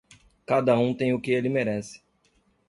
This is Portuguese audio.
Cada um tem o que ele merece.